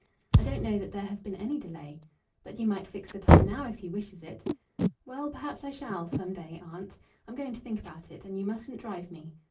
I don't know that there has been any delay." "But you might fix the time now, if he wishes it." "Well, perhaps I shall, some day, aunt. I'm going to think about it, and you mustn't drive me."